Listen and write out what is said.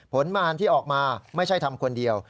ผลมารที่ออกมาไม่ใช่ทำคนเดียว